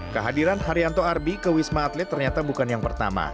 kehadiran haryanto arbi ke wisma atlet ternyata bukan yang pertama